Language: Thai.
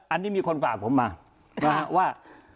อันนี้มีคนฝากผมมานะฮะว่า